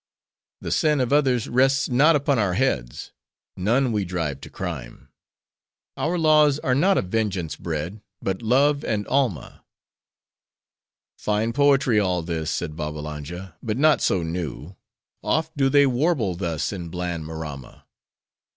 The sin of others rests not upon our heads: none we drive to crime. Our laws are not of vengeance bred, but Love and Alma." "Fine poetry all this," said Babbalanja, "but not so new. Oft do they warble thus in bland Maramma!"